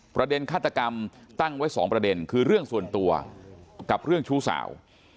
ฆาตกรรมตั้งไว้๒ประเด็นคือเรื่องส่วนตัวกับเรื่องชู้สาว